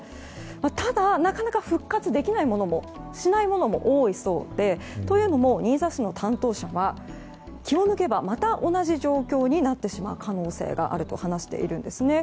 ただ、なかなか復活できないものしないものも多いそうでというのも、新座市の担当者は気を抜けばまた同じ状況になってしまう可能性があると話しているんですね。